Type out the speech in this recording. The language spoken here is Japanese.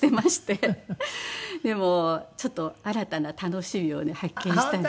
でもちょっと新たな楽しみをね発見したんです。